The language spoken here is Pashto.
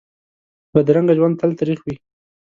بدرنګه ژوند تل تریخ وي